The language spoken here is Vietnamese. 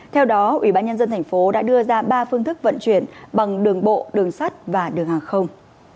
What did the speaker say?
theo đó ủy ban nhân dân thành phố đã đưa ra ba phương thức vận chuyển bằng đường bộ đường sắt và đường hàng không